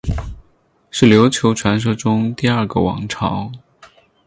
是琉球传说中第二个王朝。